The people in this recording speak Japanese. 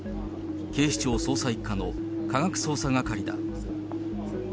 警視庁捜査１課の科学捜査係だ。